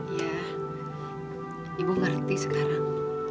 iya ibu ngerti sekarang